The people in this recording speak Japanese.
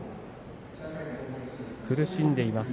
苦しんでいます。